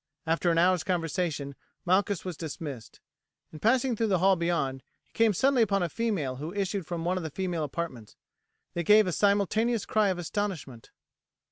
After an hour's conversation Malchus was dismissed. In passing through the hall beyond he came suddenly upon a female who issued from one of the female apartments. They gave a simultaneous cry of astonishment.